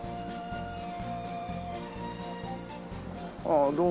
ああどうも。